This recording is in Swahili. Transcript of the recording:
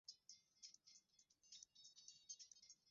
na wanaendelea kujihusisha na ufisadi wengine wakiteuliwa serikalini